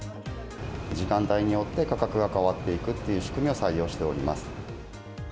時間帯によって価格が変わっていくという仕組みを採用しております。